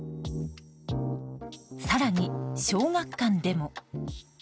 更に小学館でも。